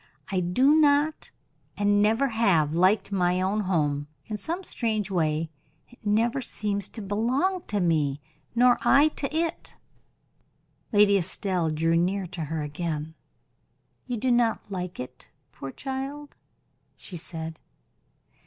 I do not, and never have, liked my own home; in some strange way it never seems to belong to me, nor I to it." Lady Estelle drew near to her again. "You do not like it, poor child?" she said.